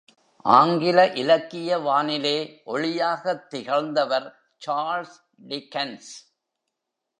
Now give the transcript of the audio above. ஆங்கில இலக்கிய வானிலே ஒளியாகத் திகழ்ந்தவர் சார்லஸ் டிக்கன்ஸ்!